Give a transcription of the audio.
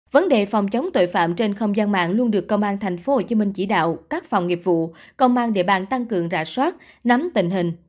vấn đề phòng chống tội phạm trên không gian mạng luôn được công an tp hcm chỉ đạo các phòng nghiệp vụ công an địa bàn tăng cường rà soát nắm tình hình